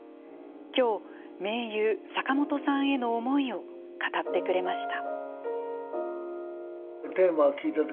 今日、盟友坂本さんへの思いを語ってくれました。